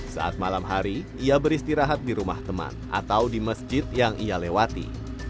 saat malam hari ia beristirahat di rumah teman atau di masjid yang ia lewati